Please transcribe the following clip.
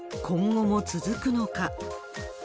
今後も続くのか。